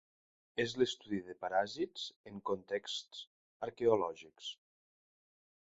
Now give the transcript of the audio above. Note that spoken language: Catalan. És l'estudi de paràsits en contexts arqueològics.